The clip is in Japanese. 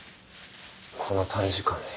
この短時間で。